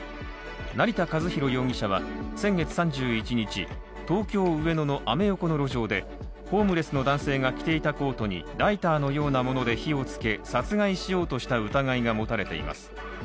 成田和弘容疑者は、先月３１日、東京・上野のアメ横の路上で、ホームレスの男性が着ていたコートにライターのようなもので火をつけ殺害しようとした疑いが持たれています。